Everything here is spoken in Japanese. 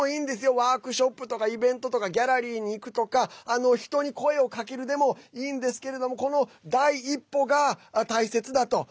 ワークショップとかイベントとかギャラリーに行くとか人に声をかけるでもいいんですけどこの第一歩が大切だと。